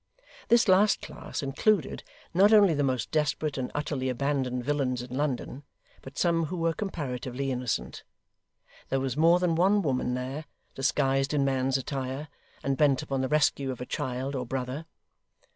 This last class included, not only the most desperate and utterly abandoned villains in London, but some who were comparatively innocent. There was more than one woman there, disguised in man's attire, and bent upon the rescue of a child or brother.